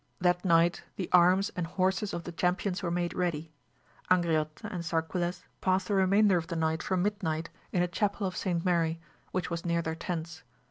That night the arms and horses of the champions were made ready. Angriote and Sarquiles past the remainder of the night from midnight in a chapel of Saint Mary, which was near their tents.